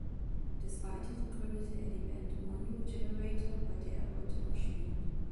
Des Weiteren gründete er die Band Mondo Generator, bei der er heute noch spielt.